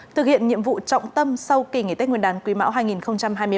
thực hiện nhiệm vụ trọng tâm sau kỳ nghỉ tết nguyên đán quý mão hai nghìn hai mươi bốn